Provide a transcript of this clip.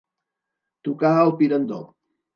Tocar el pirandó.